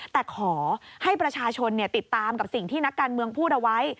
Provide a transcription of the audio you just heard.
แต่ขอให้ประชาชนติดตามกับสิ่งที่นักการเมืองพูดเอาไว้